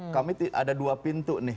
kami ada dua pintu nih